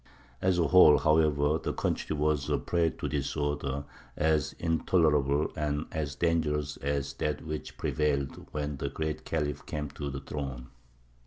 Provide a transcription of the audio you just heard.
As a whole, however, the country was a prey to disorder as intolerable and as dangerous as that which had prevailed when the Great Khalif came to the throne.